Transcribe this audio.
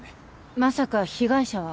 まさか被害者は。